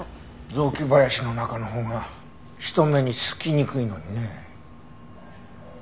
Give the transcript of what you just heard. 雑木林の中のほうが人目につきにくいのにね。